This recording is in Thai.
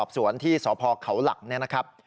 ส่วนที่สพเขาหลักนะครับ